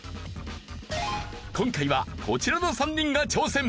今回はこちらの３人が挑戦。